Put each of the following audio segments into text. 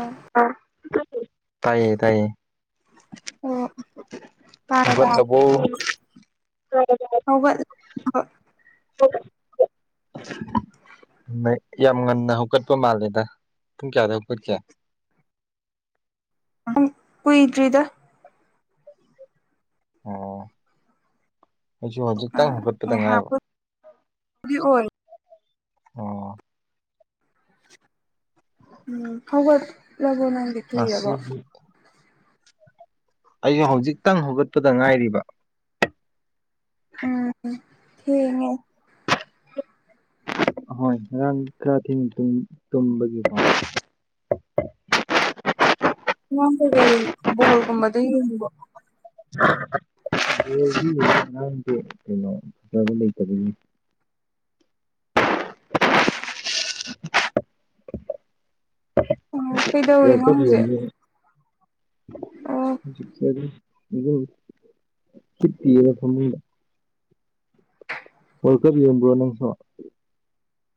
ꯑꯥ ꯇꯥꯏꯌꯦ ꯇꯥꯏꯌꯦꯕꯣ ꯑꯣ ꯍꯕ ꯍ ꯑꯣ [unintelligible] ꯌꯥꯝ ꯉꯟꯅ ꯍꯧꯀꯠꯄ ꯃꯥꯜꯂꯦꯗ ꯄꯨꯡ ꯀꯌꯥꯗ ꯍꯧꯀꯠꯀꯦ [unintelligible] ꯎ ꯀꯣꯏ ꯏꯗ꯭ꯔꯤꯗ ꯑꯣ ꯑꯩꯁꯨ ꯍꯧꯖꯤꯛꯇꯪ ꯍꯧꯒꯠꯄꯗ ꯉꯥꯏꯕ ꯉꯥꯏꯍꯥꯛꯄꯨꯗꯤ ꯑꯣꯏ ꯑꯣ ꯎꯝ ꯍꯒꯠ ꯂꯕ ꯅꯪꯕꯦ ꯀ ꯉꯁꯤ ꯑꯕꯣ ꯑꯩꯁꯨ ꯍꯧꯖꯤꯛꯇꯪ ꯍꯧꯒꯠꯄꯗ ꯉꯥꯏꯔꯤꯕ ꯎꯝ ꯊ ꯍꯣꯏ ꯉꯔꯥꯡ ꯈꯔ ꯊꯦꯡ ꯇꯨꯝꯕꯒꯤ [unintelligible] ꯅ ꯀꯩꯀꯩ ꯕꯣꯜꯒꯨꯝꯕꯗ ꯌꯦꯡꯕ ꯑ ꯥꯡ ꯀꯩꯅꯣ ꯐꯖꯕ ꯂꯩꯇꯕꯅꯤ ꯑꯣ ꯀꯩꯗꯧꯔꯤꯅꯣ ꯍꯧꯖꯤꯛ ꯑꯣ ꯐꯔꯤ ꯇꯗ ꯊꯃ ꯑꯣꯔꯀ ꯌꯦꯕ ꯅ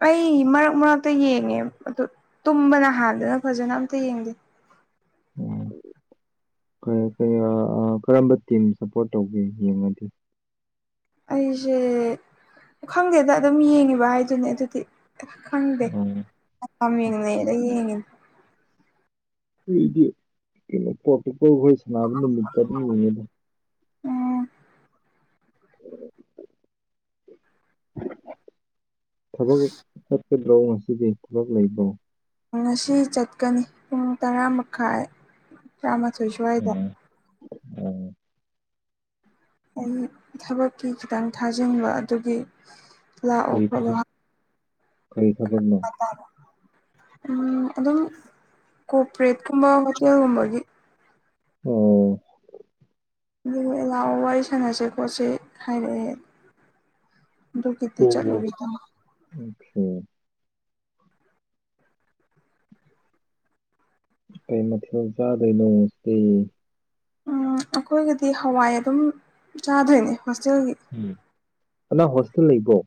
ꯑꯩ ꯃꯔꯛ ꯃꯔꯛꯇ ꯌꯦꯡꯉꯦ ꯑꯗꯨ ꯇꯨꯝꯕꯅ ꯍꯥꯟꯗꯅ ꯐꯖꯅ ꯑꯝꯇ ꯌꯦꯡꯗꯦ [inaudible] ꯐ ꯀꯔꯝꯕ ꯇꯤꯝ ꯁꯞꯄꯣꯔꯠ ꯇꯧꯒꯦ ꯌꯦꯡꯉꯗꯤ ꯑꯩꯁꯦ ꯈꯪꯗꯦꯗ ꯑꯗꯨꯝ ꯌꯦꯡꯉꯤꯕ ꯍꯥꯏꯗꯨꯅꯦ ꯑꯗꯨꯗꯤ ꯎꯝ ꯈꯪꯗꯦꯃꯤꯅꯦꯔ ꯌꯦꯡꯉꯤꯅꯦ ꯑꯩꯗꯤ ꯀꯩꯅꯣ ꯄꯣꯔꯇꯨꯀꯣꯜꯈꯣꯏ ꯁꯥꯟꯅꯕ ꯅꯨꯃꯤꯠꯇ ꯑꯗꯨꯝ ꯌꯦꯡꯉꯦꯗ ꯎꯝ ꯊꯕꯛ ꯆꯠꯀꯗ꯭ꯔꯣ ꯉꯁꯤꯗꯤ ꯊꯕꯛ ꯂꯩꯕ꯭ꯔꯣ ꯉꯁꯤ ꯆꯠꯀꯅꯤ ꯄꯨꯡ ꯇꯔꯥ ꯃꯈꯥꯏ ꯇꯔꯥꯃꯥꯊꯣꯏ ꯁ꯭ꯋꯥꯏꯗ ꯑ ꯑꯩ ꯊꯕꯛꯀꯤ ꯈꯤꯇꯪ ꯊꯥꯖꯤꯟꯕ ꯑꯗꯨꯒꯤ ꯂꯥꯛꯑꯣ ꯀꯔꯤ ꯐ ꯎ ꯊꯕꯛ ꯀꯔꯤ ꯊꯕꯛꯅꯣ ꯑꯗꯨꯝ ꯀꯣꯄꯔꯦꯠꯀꯨꯝꯕ ꯍꯣꯇꯦꯜꯒꯨꯝꯕꯒꯤ ꯑꯣ ꯑꯗꯨ ꯑꯦꯂꯥꯎꯑꯣ ꯋꯥꯔꯤ ꯁꯥꯟꯅꯁꯤꯦ ꯈꯣꯠꯁꯦ ꯍꯥꯏꯔꯛꯑꯦ ꯑꯗꯨ ꯀꯗꯤ ꯆꯠꯂꯨꯒꯤꯗꯃ ꯑꯣꯝ ꯀꯩ ꯃꯊꯦꯜ ꯆꯥꯗꯣꯏꯅꯣꯇꯦ ꯎ ꯑꯩꯈꯣꯏꯒꯗꯤ ꯍꯋꯥꯏ ꯑꯗꯨꯝ ꯆꯥꯗꯣꯏꯅꯦ ꯍꯣꯁꯇꯦꯜꯒꯤ ꯑꯅꯥ ꯍꯣꯁꯇꯦꯜ ꯂꯩꯕꯣ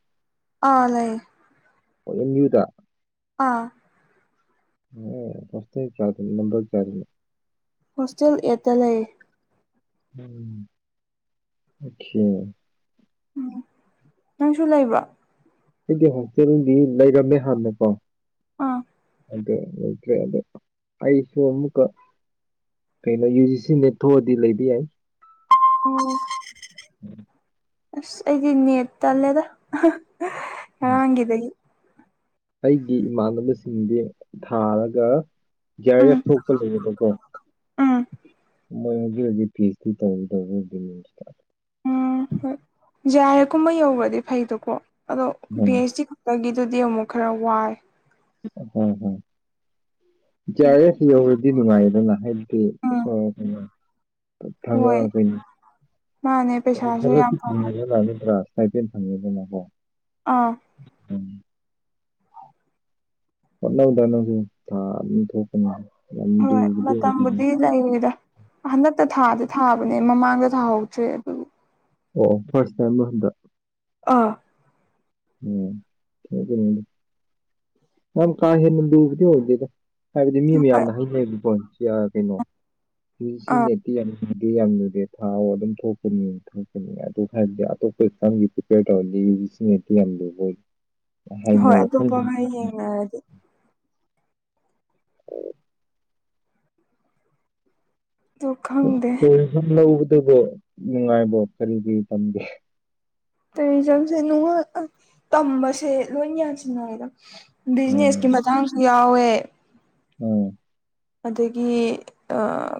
ꯑꯥ ꯂꯩꯑꯌꯦ ꯑꯣ ꯌ꯭ꯌꯨꯗ ꯑꯥ ꯑꯣ ꯐꯁꯒꯤ ꯀꯥꯗ ꯅꯝꯕꯔ ꯀꯥꯔꯅꯤ ꯍꯣꯁꯇꯦꯜ ꯑꯦꯠꯇ ꯂꯩ ꯎꯝ ꯑꯦ ꯎꯝ ꯅꯪꯁꯨ ꯂꯩꯕ꯭ꯔ ꯑꯩꯗꯤ ꯍꯣꯁꯇꯦꯜꯗꯤ ꯂꯩꯔꯝꯃꯦ ꯍꯥꯟꯅꯀꯣ ꯑꯥ ꯑꯗ ꯍꯧꯗ꯭ꯔꯦꯗ ꯑꯏꯁꯨꯣꯃꯨꯀ ꯀꯩꯅꯣ ꯌꯨ ꯖꯤ ꯁꯤ ꯅꯦ ꯊꯣꯛꯑꯗꯤ ꯂꯩꯕ ꯌꯥꯏ ꯎꯝ ꯎꯝ ꯑꯩꯗꯤ ꯏꯅꯤꯠꯇꯂꯦꯗ ꯍꯗꯗꯒꯤ ꯑꯩꯒꯤ ꯏꯃꯥꯟꯅꯕꯁꯤꯡꯗꯤ ꯊꯥꯔꯒ ꯌꯥꯏ ꯎꯝ ꯌꯥ ꯊꯣꯛꯣꯛꯄ ꯂꯩꯔꯕꯣ ꯎꯝ ꯃꯣꯏ ꯍꯧꯖꯤꯛ ꯍꯧꯖꯤꯛ ꯐꯤꯁꯇꯤ ꯇꯧꯔ ꯇꯧꯔ ꯍꯧ ꯎ ꯍꯣꯏ ꯖꯦ ꯑꯔ ꯀꯨꯝꯕ ꯌꯧꯕꯗꯤ ꯐꯩꯗꯣꯀꯣ ꯑꯗꯣ ꯄꯤ ꯎꯝ ꯑꯩꯆ ꯗꯤ ꯈꯛꯇꯒꯤꯗꯤ ꯑꯗꯨꯗꯤ ꯑꯃꯨꯛ ꯈꯔ ꯋꯥꯏ ꯍꯝ ꯍꯝ ꯏꯔꯦꯁꯨ ꯌꯧꯔꯗꯤ ꯅꯨꯡꯉꯥꯏꯌꯦꯗꯅ ꯍꯥꯏꯕꯗꯤ ꯎꯝ ꯍꯣꯏ ꯊꯥꯡꯒꯑ ꯃꯥꯅꯦ ꯄꯩꯁꯥꯁꯨ ꯀꯩꯅꯣꯒ ꯌꯥꯝ ꯐꯪꯉ ꯊꯦꯡꯅꯔ ꯂꯥꯛꯅꯤꯗ꯭ꯔꯥ ꯐꯥꯏꯚ ꯇꯦꯟ ꯐꯪꯉꯩꯕꯅ ꯍꯣ ꯑꯥ ꯃꯅ ꯊꯅꯁꯨ ꯊ ꯊꯣꯛ ꯍꯣꯏ ꯃꯝꯕꯗꯤꯗ ꯏꯗ ꯍꯟꯗꯛꯇ ꯊꯥꯗꯤ ꯊꯥꯕꯅꯦ ꯃꯃꯥꯡꯗ ꯊꯥꯍꯧꯗ꯭ꯔꯦ ꯑꯗꯨ ꯑꯣ ꯐꯥꯔꯁ ꯇꯥꯏꯝ ꯍꯟꯗ ꯑꯥ ꯀ ꯍꯦ ꯅꯗꯨꯅꯤ ꯍꯧꯔꯗꯗ ꯍꯥꯏꯕꯗꯤ ꯃꯤ ꯍꯣꯏ ꯃꯌꯥꯝꯅ ꯍꯩꯅꯩꯕ ꯄ ꯀꯩꯅꯣ ꯁꯤ ꯑꯥ ꯅꯦꯤ ꯌꯥꯅꯤ ꯑꯗꯨꯗꯤ ꯌꯥꯝꯅꯨꯗꯦ ꯊꯥꯎ ꯑꯗꯨꯝ ꯊꯣꯛꯄꯅꯤ ꯊꯣꯛꯄꯅꯤ ꯑꯗꯨ ꯍꯥꯏꯕꯗꯤ ꯑꯇꯣꯞꯄ ꯑꯦꯛꯖꯥꯝꯒꯤ ꯄ꯭ꯔꯤꯄꯦꯌꯔ ꯇꯧꯍꯜꯂꯤ ꯗꯤ ꯌꯥꯝ ꯂꯨꯕꯣꯏ ꯍꯣꯏ ꯍꯥꯏꯅꯩ ꯑꯇꯣꯞꯄꯒ ꯌꯦꯡꯅꯔꯗꯤ ꯑꯗꯨ ꯈꯪꯗꯦ ꯣꯏ ꯂꯧꯕꯗꯨꯕꯨꯣ ꯅꯨꯡꯉꯥꯏꯕꯣ ꯀꯔꯤ ꯀꯔꯤ ꯇꯝꯒꯦ ꯇꯨꯔꯤꯖꯝꯁꯦ ꯅꯨꯡꯉ ꯇꯝꯕꯁꯦ ꯂꯣꯏ ꯌꯥꯁꯤꯟꯅꯦꯗ ꯕꯤꯖꯤꯅꯦꯁꯀꯤ ꯃꯊꯥꯡꯁꯨ ꯌꯥꯎꯦ ꯑꯣꯝ ꯑꯗꯒꯤ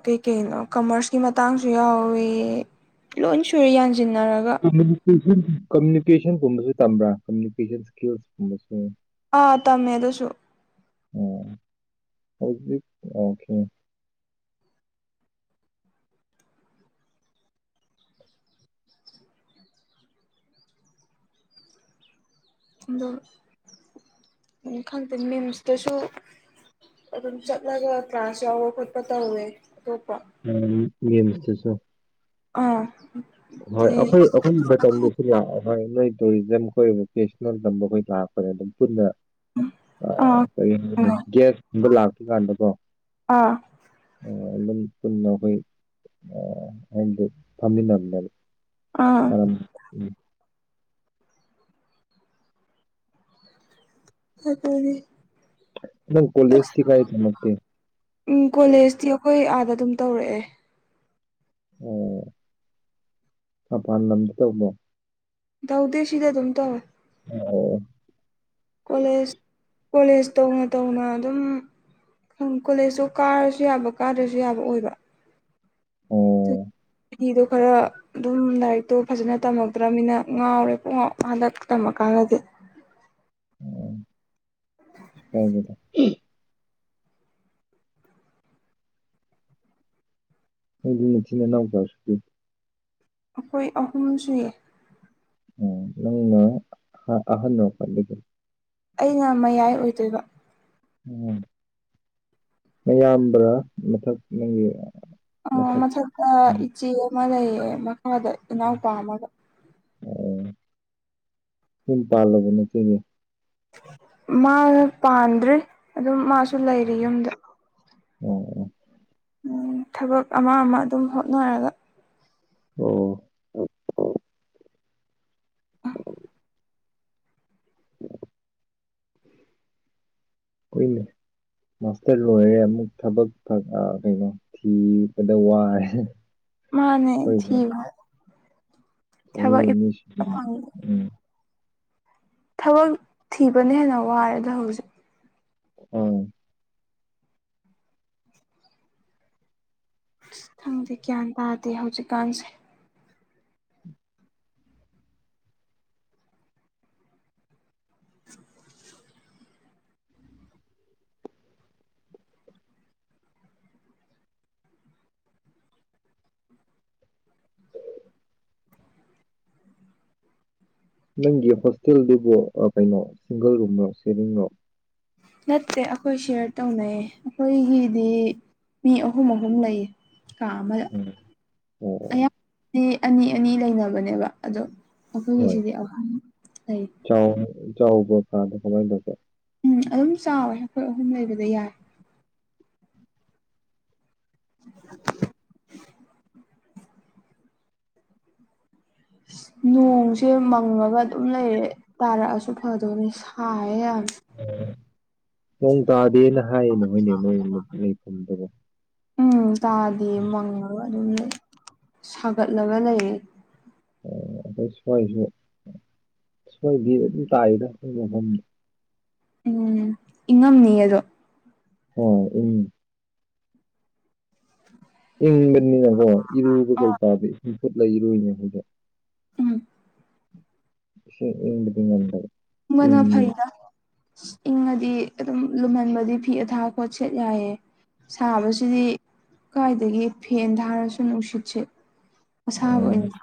ꯀꯩꯀꯩꯅꯣ ꯀꯃꯔꯁꯀꯤ ꯃꯇꯥꯡꯁꯨ ꯌꯥꯎꯏꯤ ꯂꯣꯏ ꯁꯨꯔꯦ ꯌꯥꯟꯁꯤꯟꯅꯔꯒ ꯀꯝꯃꯨꯅꯤꯀꯦꯁꯟ ꯀꯝꯃꯨꯅꯤꯀꯦꯁꯟꯒꯨꯝꯕꯁꯨ ꯇꯝꯕ꯭ꯔꯥ ꯀꯃꯨꯅꯤꯀꯦꯁꯟ ꯏꯁꯀꯤꯜꯁꯀꯨꯝꯕꯁꯨ ꯑꯥ ꯇꯝꯃꯦꯗꯨꯁꯨ ꯍꯧꯕꯤ ꯌꯥꯈꯤꯦ ꯑꯣ ꯈꯪꯗꯦ ꯃꯤꯝꯁꯇꯁꯨ ꯂ ꯇ꯭ꯔꯥꯁ ꯌꯥꯎꯣ ꯈꯣꯠꯄꯇꯥ ꯍꯋ ꯎꯝ ꯌꯦ ꯃꯁꯇꯁꯨꯣ ꯑꯥ ꯍꯣꯏ ꯑꯩꯈꯣꯏ ꯑꯩꯈꯣꯏꯒꯤ ꯃꯇꯝꯗꯨꯁꯨ ꯌꯥ ꯍꯣꯏ ꯅꯣꯏ ꯇꯨꯔꯤꯖꯝ ꯑꯩꯈꯣꯏ ꯚꯣꯀꯦꯁꯅꯦꯜ ꯇꯝꯕ ꯑꯩꯈꯣꯏ ꯂꯥꯛꯄꯅꯦ ꯑꯗꯨꯝ ꯄꯨꯟꯅ ꯑꯥ ꯀ ꯒ꯭ꯌꯥꯁꯀꯨꯝꯕ ꯂꯥꯛꯄ ꯀꯥꯟꯗꯀꯣ ꯑꯥ ꯑꯗꯨꯝ ꯄꯨꯟꯅ ꯑꯩꯈꯣꯏ ꯑꯗ ꯐꯝꯃꯤꯟꯅꯕꯅꯦꯕ ꯑꯥ ꯑ ꯎꯝ ꯍ ꯀꯅꯤ ꯅꯪ ꯀꯣꯂꯦꯖꯇꯤ ꯀꯥꯏ ꯇꯝꯃꯛꯀꯦ ꯎꯝ ꯀꯣꯂꯦꯖꯗꯤꯈꯣꯏ ꯑꯗꯨꯝ ꯇꯧꯔꯛꯑꯦ ꯑꯣ ꯃꯄꯥꯟ ꯂꯝꯗ ꯇꯧꯕꯃꯣ ꯊꯗꯥꯎꯗꯁꯤꯗ ꯇꯝꯇ ꯑ [unintelligible] [inaudible] ꯀꯣꯂꯦꯖ ꯀꯣꯂꯦꯖ ꯇꯧꯅ ꯇꯧꯅ ꯑꯗꯨꯝ ꯀꯣꯂꯦꯖꯇꯨ ꯀꯥꯔꯁꯨ ꯌꯥꯕ ꯀꯥꯗ꯭ꯔꯁꯨ ꯌꯥꯕ ꯑꯣꯏꯕ ꯑꯗꯨ ꯑꯣ ꯍꯤꯗꯣ ꯈꯔ ꯑꯗꯨꯝ ꯂꯥꯏꯔꯤꯛꯇꯣ ꯐꯖꯅ ꯇꯝꯃꯛꯇ꯭ꯔꯕꯅꯤꯅ ꯉꯥꯎꯔꯦ ꯄꯨꯡ ꯉꯥꯎ ꯍꯟꯗꯛ ꯇꯝꯂꯀꯥꯟꯗꯗꯤ [unintelligible] [inaudible] ꯑꯣ ꯍꯦꯗ ꯅꯣꯏꯒꯤ ꯃꯤꯁꯤꯅ ꯅꯧꯖꯔꯁꯨ ꯑꯩꯈꯣꯏ ꯑꯍꯨꯝ ꯆꯨꯏ ꯎ ꯅꯪꯅ ꯑꯍꯜꯅ ꯀ ꯂꯩꯒ ꯑꯩꯅ ꯃꯌꯥꯏ ꯑꯣꯏꯗꯣꯏꯕ ꯎꯝ ꯃꯌꯥꯝꯕ꯭ꯔꯥ ꯃꯊꯛ ꯅꯪꯒꯤ ꯑ ꯃꯊꯛ ꯃꯊꯛꯇ ꯎꯝ ꯏꯆꯦ ꯑꯃ ꯂꯩꯌꯦ ꯃꯈꯥꯗ ꯏꯅꯥꯎꯄꯥ ꯑꯃꯒ ꯑꯣ ꯀꯨꯡ ꯄꯕ ꯅ ꯀꯅꯦ ꯃꯥ ꯄꯥꯟꯗ꯭ꯔꯦ ꯑꯗꯨꯝ ꯃꯥꯁꯨ ꯂꯩꯔꯤ ꯌꯨꯝꯗ ꯑꯣ ꯑꯣ ꯊꯕꯛ ꯑꯃ ꯑꯃ ꯑꯗꯨꯝ ꯍꯣꯠꯅꯔꯒ ꯑꯣ ꯍꯣꯏꯅꯦ ꯃꯥꯁꯇꯔ ꯂꯣꯏꯔꯦ ꯑꯃꯨꯛ ꯊꯕꯛ ꯀꯩꯅꯣ ꯊꯤꯕꯗ ꯋꯥꯔꯦ ꯃꯥꯅꯦ ꯊꯕ ꯀ ꯐꯪꯗꯦ ꯎꯝ ꯊꯕꯛ ꯊꯤꯕꯅ ꯍꯦꯟꯅ ꯋꯥꯏꯦ ꯑꯗꯣ ꯍꯧꯖꯤꯛ ꯑ ꯊꯪꯗꯤꯦ ꯒ꯭ꯌꯥꯟ ꯇꯥꯗꯦ ꯍꯧꯖꯤꯛꯀꯥꯟꯁꯦ [unintelligible] ꯅꯪꯒꯤ ꯍꯣꯁꯇꯦꯜꯗꯨꯕꯨ ꯀꯩꯅꯣ ꯁꯤꯡꯒꯜ ꯔꯨꯝꯅꯣ ꯁꯦꯔꯤꯡꯅꯣ ꯅꯠꯇꯦ ꯑꯩꯈꯣꯏ ꯁꯤꯌꯔ ꯇꯧꯅꯩ ꯑꯩꯈꯣꯏꯒꯤꯗꯤ ꯃꯤ ꯑꯍꯨꯝ ꯑꯍꯨꯝ ꯂꯩꯌꯦ ꯀꯥ ꯑꯃꯗ ꯎꯝ ꯑꯣ ꯑꯣ ꯑꯌꯥꯝꯕꯗꯤ ꯑꯅꯤ ꯑꯅꯤ ꯂꯩꯅꯕꯅꯦꯕ ꯑꯗꯣ ꯍꯣꯏ ꯑꯩꯈꯣꯏꯒꯤꯁꯤꯗꯤ ꯑ ꯂꯩ ꯆꯥꯎꯕ ꯀꯗꯣ ꯀꯃꯥꯏꯅꯧꯒꯦ ꯎ ꯑꯗꯨꯝ ꯆꯥꯎꯋꯦ ꯑꯩꯈꯣꯏ ꯑꯍꯨꯝ ꯂꯩꯕꯗ ꯌꯥꯏ [unintelligible] ꯅꯣꯡꯁꯦ ꯃꯪꯉꯒ ꯑꯗꯨꯝ ꯂꯩꯔꯦ ꯇꯥꯔꯛꯑꯁꯨ ꯐꯗꯧꯅꯤ ꯁꯥꯌꯦꯦ ꯌꯥꯝ [unintelligible] ꯅꯣꯡ ꯇꯥꯗꯦꯅ ꯍꯥꯏꯌꯦ ꯅ ꯍꯣꯏꯅꯦ ꯅꯣꯏ ꯑꯃꯨꯛ ꯂꯩꯐꯝꯗꯨꯕꯨ ꯎꯝ ꯇꯥꯗ ꯃꯪꯉꯒ ꯑꯗꯨꯝ ꯁꯥꯒꯠꯂꯒ ꯂꯩꯌꯦ ꯑꯣ ꯑꯗꯣꯏ ꯁꯣꯏꯁꯨ ꯁꯣꯏꯕꯤꯕ ꯑꯗꯨꯝ ꯇꯥꯏꯗꯣꯏ ꯃꯐꯝ ꯎꯝ ꯏꯪꯉꯝꯅꯤ ꯑꯗꯣ ꯍꯣꯏ ꯎ ꯏꯪꯕꯅꯤꯅꯀꯣ ꯏꯔꯨꯕ ꯀꯩ ꯇꯥꯗ ꯏꯁꯤꯡꯐꯨꯠꯂ ꯏꯔꯨꯏꯅꯦ ꯑꯩꯈꯣꯏꯗ ꯎꯝ ꯗꯤ ꯉꯗ ꯃꯅꯥ ꯐꯩꯗ ꯏꯪꯉꯗꯤ ꯑꯗꯨꯝ ꯂꯨꯝꯍꯟꯕꯗꯤ ꯐꯤ ꯑꯊꯥ ꯈꯣꯠ ꯁꯦꯠ ꯌꯥꯏꯌꯦ ꯁꯥꯕꯁꯤꯗꯤ ꯀꯥꯏꯗꯒꯤ ꯐꯦꯟ ꯊꯥꯔꯁꯨ ꯅꯨꯡꯁꯤꯠꯁꯤ ꯑꯁꯥꯕ ꯑꯣ ꯑꯣꯏꯅ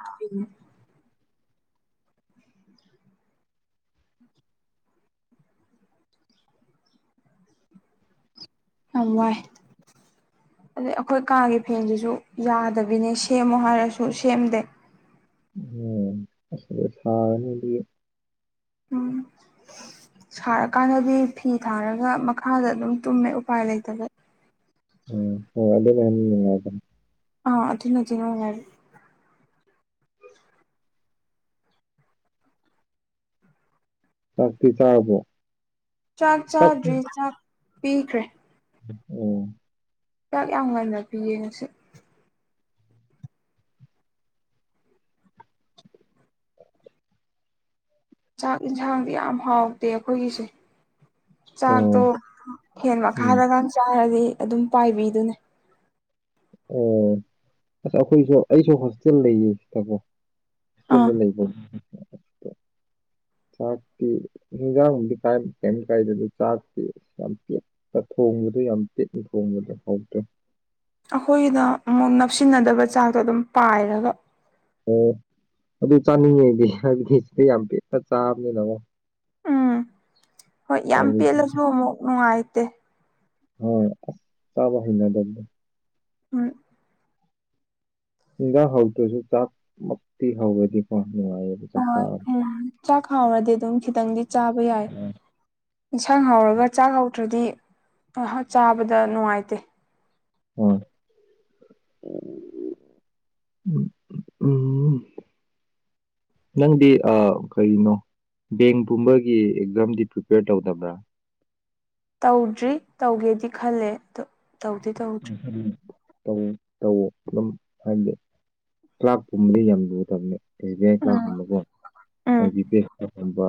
ꯑ ꯋꯥꯏ ꯑꯗꯩ ꯑꯩꯈꯣꯏ ꯀꯥꯒꯤ ꯐꯦꯟꯁꯤꯁꯨ ꯌꯥꯗꯕꯤꯅꯦ ꯁꯦꯝꯃꯣ ꯍꯥꯏꯔꯁꯨ ꯁꯦꯝꯗꯦ ꯑꯁꯗ ꯊꯥꯅꯦꯗꯤ ꯎꯝ ꯁꯥꯔꯀꯥꯟꯗꯗꯤ ꯐꯤ ꯊꯥꯔꯒ ꯃꯈꯥꯗ ꯑꯗꯨꯝ ꯇꯨꯝꯃꯦ ꯎꯄꯥꯏ ꯂꯩꯇꯕ ꯎ ꯑꯗꯨꯗ ꯃꯦꯗ ꯑ ꯑꯗꯨꯅ ꯑꯗꯨꯅꯉꯦ ꯆꯥꯛꯄꯤ ꯇꯥꯕꯣ ꯆꯥꯛ ꯆꯥꯗ꯭ꯔꯤ ꯆꯥꯛ ꯄꯤꯈ꯭ꯔꯦ ꯑꯣ ꯆꯥꯛ ꯌꯥꯝ ꯉꯟꯅ ꯄꯤꯌꯦ ꯉꯁꯤ ꯆꯥꯛ ꯌꯦꯟꯁꯥꯡꯗꯤ ꯌꯥꯝ ꯍꯥꯎꯇꯦ ꯑꯩꯈꯣꯏꯒꯤꯁꯦ ꯆꯥꯛꯇꯣ ꯑꯣ ꯐꯦꯟ ꯎꯝ ꯃꯈꯥꯗꯒ ꯆꯥꯔꯗꯤ ꯑꯗꯨꯝ ꯄꯥꯏꯕꯤꯗꯨꯅꯦ ꯑꯣ ꯑꯁ ꯑꯩꯈꯣꯏꯁꯨ ꯑꯩꯁꯨ ꯍꯣꯁꯇꯦꯜ ꯂꯩꯌꯦ ꯁꯤꯗꯀꯣ ꯑꯥ ꯀꯅ ꯂꯩꯕꯣ ꯆꯥꯛꯇꯤ ꯍꯤꯡꯖꯥꯡꯗꯤ ꯀꯥꯏ ꯀꯩꯝ ꯀꯥꯏꯗꯦ ꯑꯗꯨ ꯆꯥꯛꯇ ꯊꯣꯡꯕꯗ ꯌꯥꯝ ꯇꯤꯛꯅ ꯊꯣꯡꯕꯗ ꯐꯥꯎꯗ꯭ꯔꯦ ꯑꯩꯈꯣꯏꯒꯤꯗ ꯑꯃꯨꯛ ꯅꯞꯁꯤꯟꯅꯗꯕ ꯆꯥꯛꯇꯣ ꯑꯗꯨꯝ ꯄꯥꯏꯔꯒ ꯑꯣ ꯑꯗꯨ ꯆꯥꯅꯤꯡꯉꯩꯗꯤ ꯑꯗꯨꯗꯤ ꯁꯤꯗꯤ ꯌꯥꯝ ꯄꯤꯛꯅ ꯆꯥꯕꯅꯤꯅꯣ ꯎꯝ ꯍꯣꯏ ꯌꯥꯝ ꯄꯦꯜꯂꯁꯨ ꯑꯃꯨꯛ ꯅꯨꯡꯉꯥꯏꯇꯦ ꯍꯣꯏ ꯆꯕ ꯍꯅ ꯗꯗꯝ ꯍꯣꯏ ꯏꯒꯥ ꯍꯧꯗꯨꯁꯨ ꯆꯥꯛ ꯃꯛꯇꯤ ꯍꯧꯕꯅꯤ ꯀ ꯑ ꯎꯝ ꯆꯥꯛ ꯈꯥꯎꯔꯗꯤ ꯑꯗꯨꯝ ꯈꯤꯇꯪꯗꯤ ꯆꯥꯕ ꯌꯥꯏ ꯏꯟꯁꯥꯡ ꯍꯧꯔꯒ ꯆꯥꯛ ꯍꯧꯧꯗ꯭ꯔꯗꯤ ꯆꯥꯕꯗ ꯅꯨꯡꯉꯥꯏꯇꯦ ꯍ ꯎꯝ ꯎꯝ ꯅꯪꯗꯤ ꯑ ꯀꯔꯤꯅꯣ ꯕꯦꯡ ꯄꯨꯝꯕꯒꯤ ꯑꯦꯛꯖꯥꯝꯗꯤ ꯄ꯭ꯔꯤꯄꯦꯌꯔ ꯇꯧꯗꯕ꯭ꯔꯥ ꯇꯧꯗ꯭ꯔꯤ ꯇꯧꯒꯦꯗꯤ ꯈꯜꯂꯦ ꯇꯧꯗꯤ ꯇꯧꯗ꯭ꯔꯤ ꯧ ꯇꯧ ꯑꯗꯨꯝ ꯍꯥꯏꯕꯗꯤ ꯂꯥꯛꯄꯨꯝꯕꯗꯤ ꯌꯥꯝ ꯂꯨꯗꯕꯅꯤ ꯀꯩ ꯎꯝ ꯀꯨꯝꯕꯀꯣ ꯎꯝ ꯑꯩꯕꯤ ꯄꯦ ꯁꯨꯝꯕ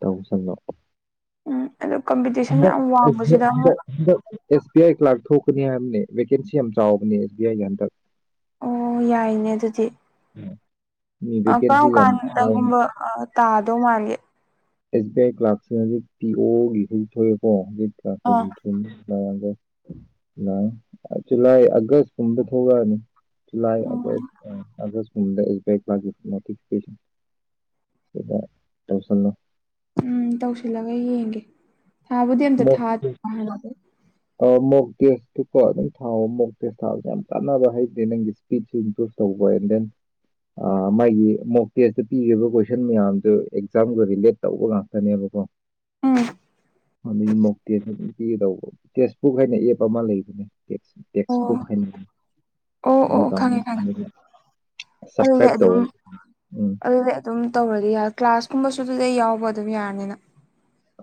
ꯇꯧꯁꯪꯕ ꯎꯝ ꯑꯗꯨ ꯀꯝꯄꯤꯇꯤꯁꯟ ꯌꯥꯝ ꯋꯥꯡꯕꯁꯤꯗ ꯑꯃꯨꯛ [unintelligible] ꯕꯤ ꯑꯥꯏ ꯀ꯭ꯂꯥꯛ ꯊꯣꯛꯀꯅꯤ ꯍꯥꯏꯕꯅꯦ ꯚꯦꯀꯦꯟꯁꯤ ꯌꯥꯝ ꯆꯥꯎꯕꯅꯦ ꯑꯦꯁ ꯕꯤ ꯑꯥꯏꯒꯤ ꯍꯟꯗꯛ ꯑꯣ ꯌꯥꯏꯅꯦ ꯑꯗꯨꯗꯤ ꯃꯤ ꯀꯔꯝ ꯚꯦꯀꯦꯟꯁꯤ ꯌꯥꯝ ꯆꯥꯎꯅ ꯀꯥꯟꯗꯒꯨꯝꯕ ꯇꯥꯗꯧ ꯃꯥꯟꯒꯦ ꯑꯦꯁ ꯕꯤ ꯑꯥꯏ ꯀ꯭ꯂꯥꯁꯁꯤꯦ ꯍꯧꯖꯤꯛ ꯄꯤ ꯑꯣꯒꯤꯁꯨꯖꯤꯛ ꯊꯣꯛꯑꯦꯀꯣ ꯍꯧꯖꯤꯛ ꯀ꯭ꯂꯥꯁ ꯑ ꯊꯒ ꯨꯂꯥꯏ ꯑꯒꯁ ꯀꯕ ꯊꯒꯅꯤ ꯂꯥꯏ ꯑꯣ ꯑꯗꯁ ꯑ ꯑꯗ ꯣꯇꯁ ꯎꯝ ꯇꯧꯁꯤꯜꯂꯒ ꯌꯦꯡꯒꯦ ꯊꯥꯕꯨꯗꯤ ꯑꯝꯇ ꯃꯣꯛ ꯊꯥ ꯍꯥꯏꯦ ꯃꯣꯛ ꯇꯦꯁꯇꯨꯀꯣ ꯑꯗꯨꯝ ꯊꯥꯎꯑꯣ ꯃꯣꯛ ꯇꯦꯁ ꯊꯥꯕꯁ ꯌꯥꯝ ꯀꯥꯟꯅꯕ ꯍꯩꯇꯦ ꯅꯪꯒꯤ ꯏꯁꯄꯤꯠꯁꯦ ꯏꯝꯄ꯭ꯔꯨꯁ ꯇꯧꯕ ꯑꯣꯏꯔꯗꯅ ꯃꯥꯒꯤ ꯃꯣꯛ ꯇꯦꯁꯇ ꯄꯤꯔꯤꯕ ꯀꯣꯏꯁꯟ ꯃꯌꯥꯝꯗꯨ ꯑꯦꯛꯖꯥꯝꯒ ꯔꯤꯂꯦꯠ ꯇꯧꯕ ꯉꯥꯛꯇꯅꯦꯕꯀꯣ ꯎꯝ ꯑꯗꯨ ꯃꯧꯛꯇꯦ ꯑꯗꯨꯝ ꯄꯤꯒꯗꯧꯕ ꯇꯦꯛꯁꯕꯨꯛ ꯍꯥꯏꯅ ꯑꯦꯞ ꯑꯃ ꯂꯩꯕꯅꯦ ꯇꯦꯛꯁ ꯑꯣ ꯐ ꯐꯥꯏꯅꯤꯡ ꯑꯣ ꯑꯣ ꯈꯪꯉꯦ ꯈꯪꯉꯦ ꯑꯗꯨꯗꯤ ꯑꯗꯨꯝ ꯎꯝ ꯑꯗꯨꯗꯤ ꯑꯗꯨꯝ ꯇꯧꯔꯗꯤ ꯀ꯭ꯂꯥꯁ ꯀꯨꯝꯕꯁꯨ ꯑꯗꯨꯗꯤ ꯑꯩ ꯌꯥꯎꯕ ꯑꯗꯨꯝ ꯌꯥꯔꯅꯤꯅ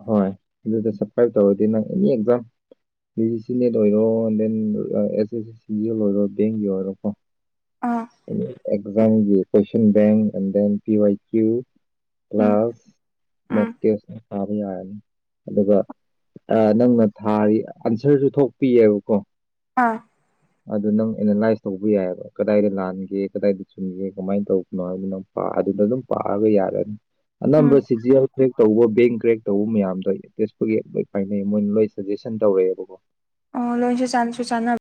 ꯍꯣꯏ ꯑꯗꯨꯗ ꯁꯞꯁꯀ꯭ꯔꯥꯏꯞ ꯇꯧꯔꯗꯤ ꯅꯪ any exam G C NET ꯑꯣꯏꯔꯣ ꯗꯦꯟ ꯑꯦꯁ ꯑꯦꯁ ꯑꯦ ꯑꯣꯏꯔꯣ ꯕꯦꯡꯒꯤ ꯑꯣꯏꯔꯣꯀꯣ ꯑꯥ ꯑꯦꯛꯖꯥꯝꯒꯤ question bank and then P Y Q ꯀ꯭ꯂ ꯎꯝ ꯎꯝ ꯃꯣꯛꯇꯁ ꯊꯥꯕ ꯌꯥꯔꯅꯤ ꯑꯗꯨꯒ ꯅꯪꯅ ꯊꯥꯔꯤ ꯑꯟꯁꯔꯁꯨ ꯊꯣꯛꯄꯤꯑꯕꯀꯣ ꯑꯥ ꯑꯗꯨ ꯅꯪ ꯑꯦꯅꯥꯂꯥꯏꯁ ꯇꯧꯕ ꯌꯥꯏꯑꯕ ꯀꯗꯥꯏꯗ ꯂꯥꯟꯒꯦ ꯀꯗꯥꯏꯗ ꯆꯨꯝꯒꯦ ꯀꯃꯥꯏꯅ ꯇꯧꯕꯅꯣ ꯍꯥꯏꯕꯣ ꯅꯪ ꯄꯥ ꯑꯗꯨꯅ ꯑꯗꯨꯝ ꯄꯥꯛꯑꯒ ꯌꯥꯔꯅꯤ ꯎꯝ ꯑꯅꯝꯕ ꯁꯤꯖꯤꯦꯛ ꯇꯧꯕ ꯕꯦꯡ ꯇ꯭ꯔꯦꯛ ꯇꯧꯕ ꯃꯌꯥꯝꯗꯣ ꯇꯦꯁꯄꯨꯒꯤ ꯂꯣꯏ ꯐꯥꯏꯅꯩ ꯃꯣꯏꯅ ꯂꯣꯏ ꯁꯖꯦꯁꯟ ꯇꯧꯔꯛꯑꯦꯕꯀꯣ ꯑꯣ ꯂꯣꯏꯁꯨ ꯆꯥꯟꯁꯨ ꯆꯥꯟꯅ